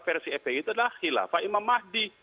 versi fpi itu adalah hilafah imamah